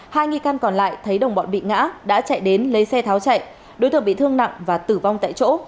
hai nghi can còn lại thấy đồng bọn bị ngã đã chạy đến lấy xe tháo chạy đối tượng bị thương nặng và tử vong tại chỗ